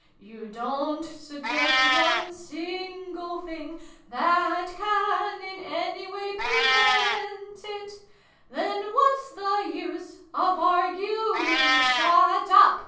You don't suggest one single thing That can in any ivay prevent it Then whafs the use of arguing? Shut up